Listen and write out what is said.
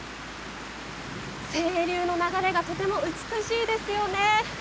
清流の流れがとても美しいですよね。